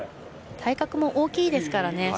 体格も大きいですからね。